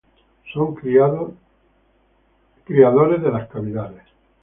Son criadores de las cavidades.